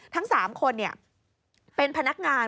ทั้ง๓คนเป็นพนักงาน